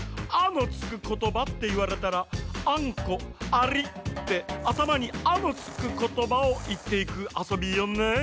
「『あ』のつくことば」っていわれたら「あんこ」「アリ」ってあたまに「あ」のつくことばをいっていくあそびよね。